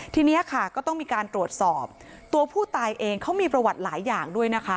ทีนี้มีการตรวจสอบตัวผู้ตายมีประวัติหลายอย่าง